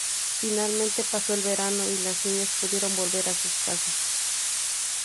Finalmente, pasó el verano y las niñas pudieron volver a sus casas.